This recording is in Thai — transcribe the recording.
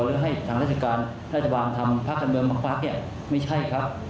แล้วให้ทางราชการรัฐบาลทำพักการเมืองบางพักเนี่ยไม่ใช่ครับ